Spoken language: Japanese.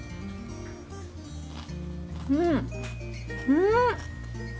うんうん！